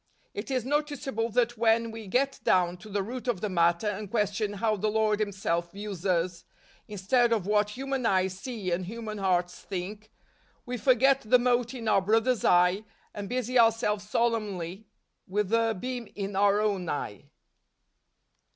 It is noticeable that when we get down to the root of the matter and question how the Lord Himself views us, instead of what human eyes see and human hearts think, we forget the mote in our brother's eye and busy ourselves solemnly with the beam in our own eye.